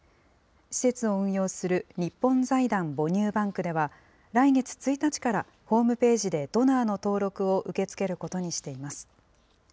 施設を運用する日本財団母乳バンクでは、来月１日からホームページでドナーの登録を受け付けることにしています。